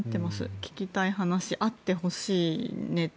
聞きたい話、あってほしいネタ